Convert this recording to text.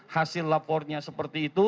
hasil lapornya seperti itu